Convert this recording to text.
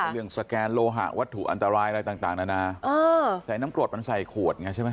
เรื่องสแกนโลหะวัตถุอันตรายอะไรต่างนานาเออใส่น้ำกรดมันใส่ขวดไงใช่ไหม